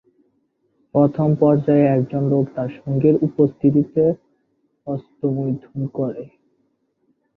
প্রথম পর্যায়ে, একজন লোক তার সঙ্গীর উপস্থিতিতে হস্তমৈথুন করে।